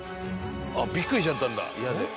びっくりしちゃったんだ嫌で。